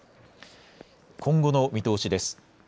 今後の見通しです。